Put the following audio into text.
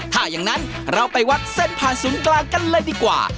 ถ้าอย่างนั้นเราไปวัดเส้นผ่านศูนย์กลางกันเลยดีกว่า